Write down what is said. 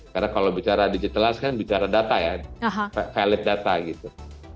karena kalau bicara digitalized kan bicara data ya valid data gitu